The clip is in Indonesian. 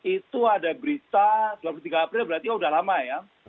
itu ada berita dua puluh tiga april berarti sudah lama ya